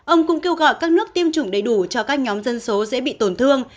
ông cũng kêu gọi các nước tiêm chủng đầy đủ cho các nhóm dân số dễ bị tổn thương